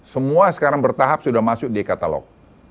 semua sekarang bertahap sudah masuk di e katalog